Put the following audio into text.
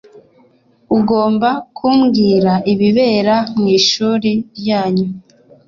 Ugomba kumbwira ibibera mw’ishuri ryanyu